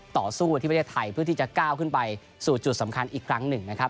ต่อสู้ที่ประเทศไทยเพื่อที่จะก้าวขึ้นไปสู่จุดสำคัญอีกครั้งหนึ่งนะครับ